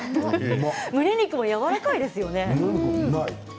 むね肉もやわらかいですね。